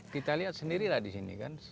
kita lihat sendiri lah di sini kan